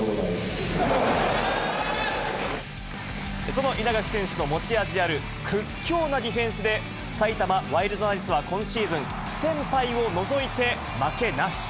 その稲垣選手の持ち味である屈強なディフェンスで、埼玉ワイルドナイツは今シーズン、不戦敗を除いて負けなし。